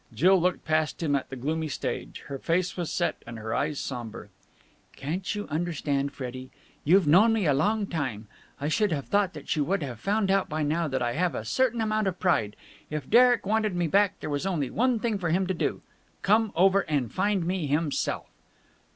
Jill looked past him at the gloomy stage. Her face was set, and her eyes sombre. "Can't you understand, Freddie? You've known me a long time. I should have thought that you would have found out by now that I have a certain amount of pride. If Derek wanted me back, there was only one thing for him to do come over and find me himself."